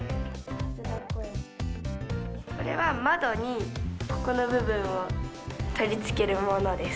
これは窓にここの部分を取り付けるものです。